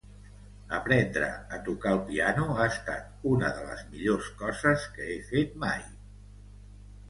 Aprendre a tocar el piano ha estat una de les millors coses que he fet mai